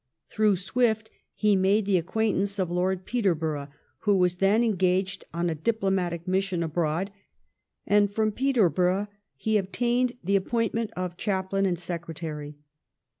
Through Swift he made the acquaintance of Lord Peterborough, who was then engaged on a diplomatic mission abroad, and from Peterborough he obtained the appointment of chap lain and secretary.